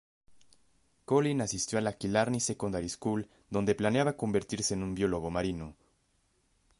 Colin asistió a la Killarney Secondary School, donde planeaba convertirse en un biólogo marino.